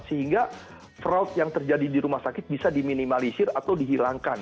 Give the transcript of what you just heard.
sehingga fraud yang terjadi di rumah sakit bisa diminimalisir atau dihilangkan